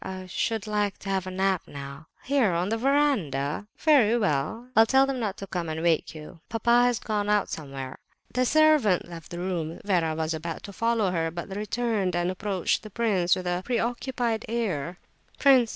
I should like to have a nap now." "Here, on the verandah? Very well, I'll tell them all not to come and wake you. Papa has gone out somewhere." The servant left the room. Vera was about to follow her, but returned and approached the prince with a preoccupied air. "Prince!"